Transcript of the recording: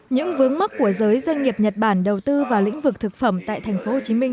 những vướng mắc của giới doanh nghiệp nhật bản đầu tư vào lĩnh vực thực phẩm tại thành phố hồ chí minh